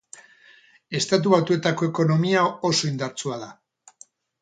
Estatu Batuetako ekonomia oso indartsua da.